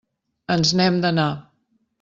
Ens n'hem d'anar.